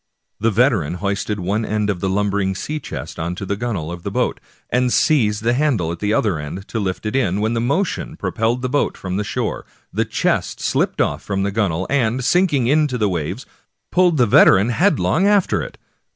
The veteran hoisted one end of the lum bering sea chest on the gunwale of the boat, and seized the handle at the other end to lift it in, when the motion propelled the boat from the shore, the chest slipped off from the gun wale, and, sinking into the waves, pulled the veteran head long after it.